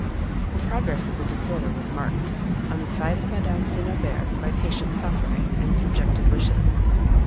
The progress of this disorder was marked, on the side of Madame St. Aubert, by patient suffering, and subjected wishes.